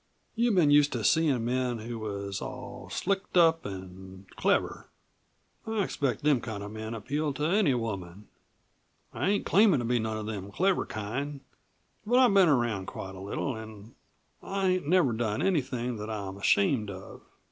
You've been used to seein' men who was all slicked up an' clever. I expect them kind of men appeal to any woman. I ain't claimin' to be none of them clever kind, but I've been around quite a little an' I ain't never done anything that I'm ashamed of.